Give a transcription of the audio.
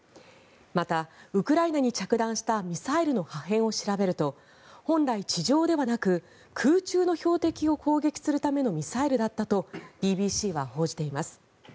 また、ウクライナに着弾したミサイルの破片を調べると本来、地上ではなく空中の標的を攻撃するためのミサイルだったとＢＢＣは報じています。